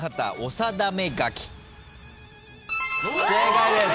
正解です。